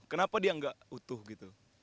kenapa dia nggak utuh gitu